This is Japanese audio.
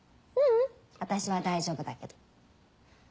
ううん私は大丈夫だけど。